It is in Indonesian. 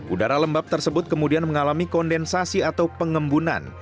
udara lembab tersebut kemudian mengalami kondensasi atau pengembunan